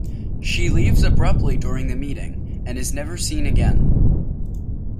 She leaves abruptly during the meeting, and is never seen again.